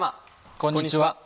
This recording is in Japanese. こんにちは。